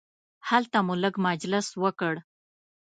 هلته مو لږ مجلس وکړ.